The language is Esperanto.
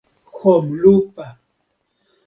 homlupa